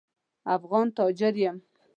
افغان تاجر یم.